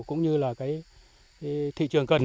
cũng như là cái thị trường cận